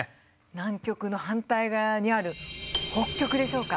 南極の反対側にある北極でしょうか。